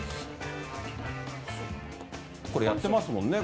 やってますもんね。